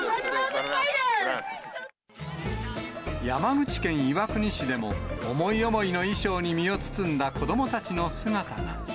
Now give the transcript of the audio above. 山口県岩国市でも、思い思いの衣装に身を包んだ子どもたちの姿が。